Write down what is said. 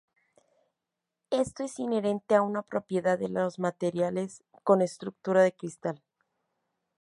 Esto es inherente a una propiedad de los materiales con estructura de cristal.